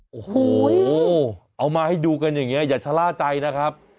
โอ้โหเอามาให้ดูกันอย่างนี้อย่าชะล่าใจนะครับ